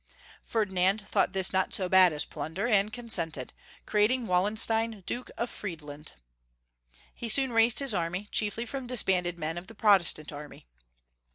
Ferdinand thought this not so bad as plunder, and consented, creating Wallenstein Duke of Friedland. He soon raised his army, chiefly from disbanded men of the Protestant army.